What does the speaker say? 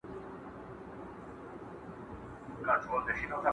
اه څه نا پوه وم څه ساده دي کړمه،